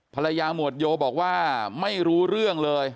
หมวดโยบอกว่าไม่รู้เรื่องเลย